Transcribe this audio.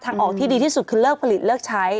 ออกที่ดีที่สุดคือเลิกผลิตเลิกใช้